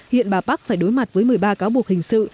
hiện bà park phải đối mặt với một mươi ba cáo buộc hình sự